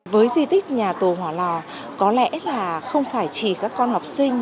với di tích nhà tù hỏa lò có lẽ là không phải chỉ các con học sinh